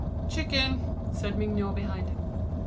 "Chicken," said Mignot behind him.